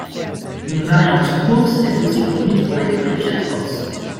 Une variante Course est aussi produite pour l'écurie Fiat Corse.